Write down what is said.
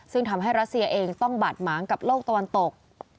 ซึ่งทำให้รัสเซียเองต้องบาดหมางกับโลกตะวันตก